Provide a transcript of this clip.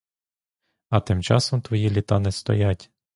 А тим часом твої літа не стоять.